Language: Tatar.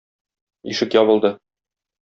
Ишек ябылды.